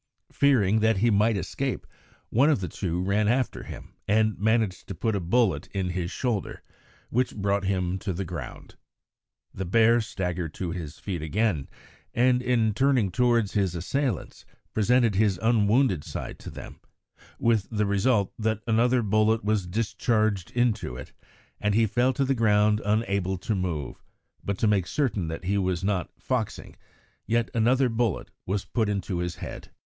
Fearing that he might escape, one of the two ran after him and managed to put a bullet in his shoulder, which brought him to the ground. The bear staggered to his feet again, and in turning towards his assailants presented his unwounded side to them, with the result that another bullet was discharged into it, and he fell to the ground unable to move; but to make certain that he was not "foxing," yet another bullet was put into his head.